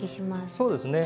そうですね。